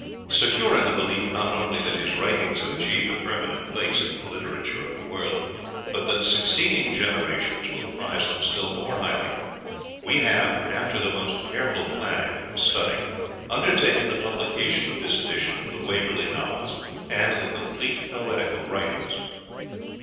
Secure in the belief not only that his writings have achieved a permanent place in the literature of the world, but that succeeding generations will prize them still more highly, we have, after the most careful planning and study, undertaken the publication of this edition of the Waverley Novels and the complete poetical writings.